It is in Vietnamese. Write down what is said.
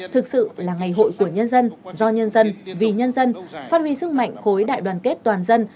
thực sự là ngày hội của nhân dân do nhân dân vì nhân dân phát huy sức mạnh khối đại đoàn kết toàn dân